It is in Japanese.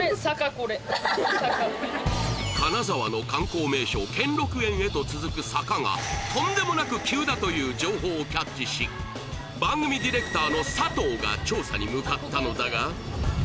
金沢の観光名所兼六園へと続く坂がとんでもなく急だという情報をキャッチし番組ディレクターの佐藤が調査に向かったのだが・